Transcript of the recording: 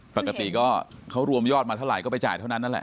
ปกติก็เขารวมยอดมาเท่าไหร่ก็ไปจ่ายเท่านั้นนั่นแหละ